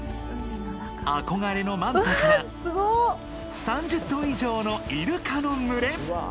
憧れのマンタから３０頭以上のイルカの群。